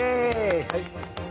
はい。